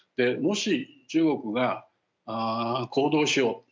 もし中国が行動しよう。